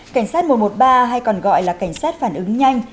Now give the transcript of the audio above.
cảnh sát mùa một ba hay còn gọi là cảnh sát phản ứng nhanh